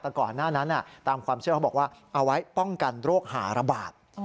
แต่ก่อนหน้านั้นตามความเชื่อเขาบอกว่าเอาไว้ป้องกันโรคหาระบาด